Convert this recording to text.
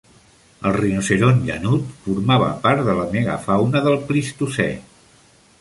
El rinoceront llanut formava part de la megafauna del Plistocè.